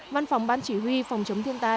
văn phòng ban chỉ huy phòng chống thiên tai